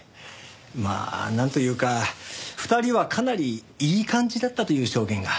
まあなんというか２人はかなりいい感じだったという証言が。